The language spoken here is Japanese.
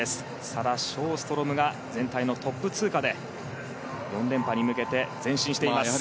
サラ・ショーストロムが全体のトップ通過で４連覇に向けて前進しています。